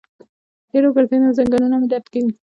ډېر وګرځیدم، زنګنونه مې درد کوي